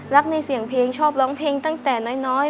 ในเสียงเพลงชอบร้องเพลงตั้งแต่น้อย